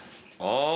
ああ。